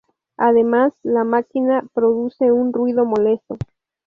Además la máquina produce un ruido molesto.